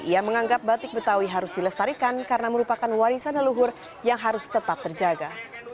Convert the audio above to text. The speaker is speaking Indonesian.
ia menganggap batik betawi harus dilestarikan karena merupakan warisan leluhur yang harus tetap terjaga